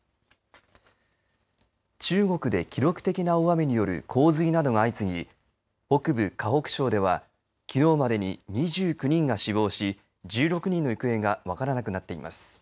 中国で記録的な大雨による洪水などが相次ぎ北部・河北省ではきのうまでに９人が死亡し、１６人の行方が分からなくなっています。